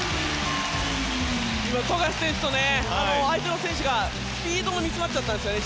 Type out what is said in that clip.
富樫選手と相手の選手がスピードがミスマッチだったんですよね。